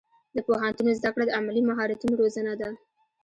د پوهنتون زده کړه د عملي مهارتونو روزنه ده.